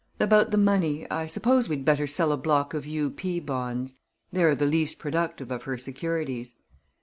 About the money, I suppose we'd better sell a block of U. P. bonds. They're the least productive of her securities."